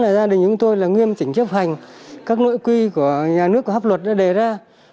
gia đình chúng tôi là nghiêm chỉnh chấp hành các nội quy của nhà nước và pháp luật đã đề ra